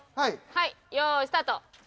はい用意スタート！